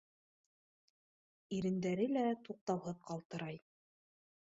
Ирендәре лә туҡтауһыҙ ҡалтырай.